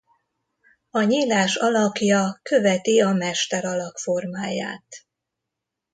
A nyílás alakja követi a mesteralak formáját.